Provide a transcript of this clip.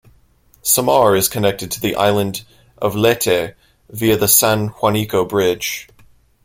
Samar is connected to the island of Leyte via the San Juanico Bridge.